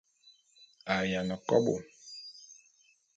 A yiane kobô.